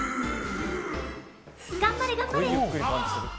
頑張れ頑張れ！